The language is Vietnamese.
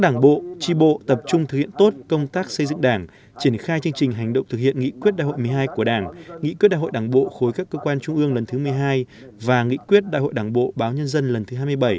đảng bộ tri bộ tập trung thực hiện tốt công tác xây dựng đảng triển khai chương trình hành động thực hiện nghị quyết đại hội một mươi hai của đảng nghị quyết đại hội đảng bộ khối các cơ quan trung ương lần thứ một mươi hai và nghị quyết đại hội đảng bộ báo nhân dân lần thứ hai mươi bảy